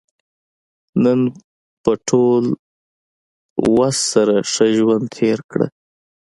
نن په خپل ټول وس سره ښه ژوند تېر کړه.